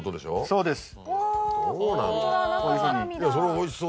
そうです。